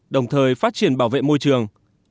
đồng thời phát triển bảo vệ môi trường